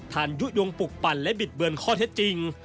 ท่านยุดยวงปลูกปั่นและบิดเบินข้อเท็จจริง